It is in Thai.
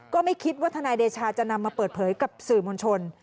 ก็ไม่คิดว่าทนายเดชาจะนำมาเปิดเผยกับสื่อมวลชน